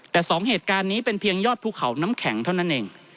แต่สองเหตุการณ์นี้เป็นเพียงยอดภูเขาน้ำแข็งเท่านั้นเอง